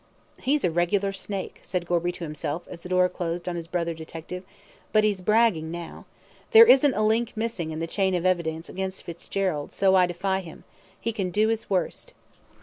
"He's a regular snake," said Gorby to himself, as the door closed on his brother detective; "but he's bragging now. There isn't a link missing in the chain of evidence against Fitzgerald, so I defy him. He can do his worst."